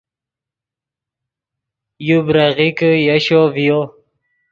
یو بریغیکے یشو ڤیو